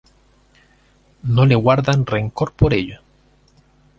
No le guardan rencor por ello.